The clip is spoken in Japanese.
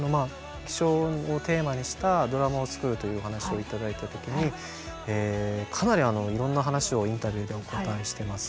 気象をテーマにしたドラマを作るというお話を頂いた時にかなりいろんな話をインタビューでお答えしてます。